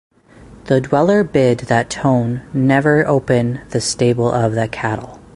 The dweller bid that Tone never open the stable of the cattle.